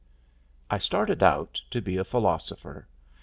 I started out to be a philosopher.